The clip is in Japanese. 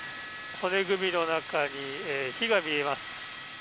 骨組みの中に火が見えます。